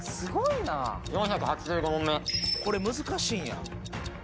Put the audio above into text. これ難しいんや。